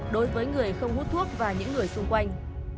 đối với người không hút thuốc và những người xung quanh